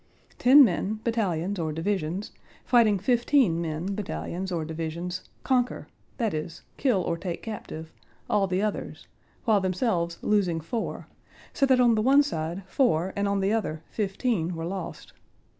Ten men, battalions, or divisions, fighting fifteen men, battalions, or divisions, conquer—that is, kill or take captive—all the others, while themselves losing four, so that on the one side four and on the other fifteen were lost.